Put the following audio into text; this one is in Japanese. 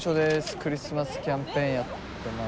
クリスマスキャンペーンやってます。